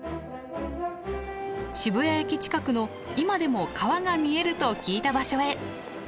渋谷駅近くの今でも川が見えると聞いた場所へ。